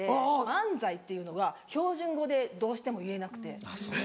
「マンザイ」っていうのが標準語でどうしても言えなくて。